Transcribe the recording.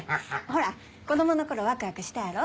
ほら子供の頃ワクワクしたやろ？